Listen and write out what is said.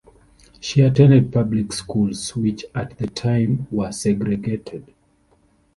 She attended public schools, which at the time were segregated.